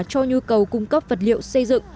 cho nhu cầu cung cấp vật liệu xây dựng